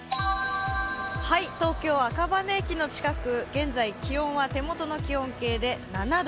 東京・赤羽駅の近く、現在気温は手元の気温計で７度。